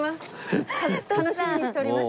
楽しみにしておりました。